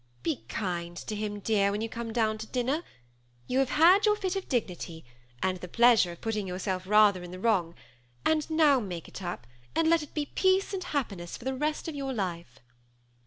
Be kind to him, dear, when you come down to dinner. You have had your fit of dignity, and the pleasure of putting yourself rather in the wrong ; and now make it up, and let it be peace and happiness for the rest of your life."